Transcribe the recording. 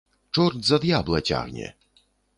Чорт за д'ябла цягне.